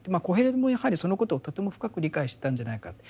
コヘレトもやはりそのことをとても深く理解してたんじゃないか。